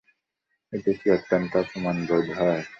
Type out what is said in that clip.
এতে কি অত্যন্ত অপমান বোধ হয়।